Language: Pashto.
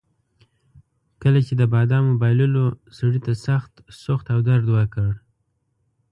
کله چې د بادامو بایللو سړي ته سخت سوخت او درد ورکړ.